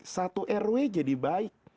satu rw jadi baik